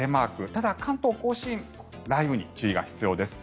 ただ、関東・甲信雷雨に注意が必要です。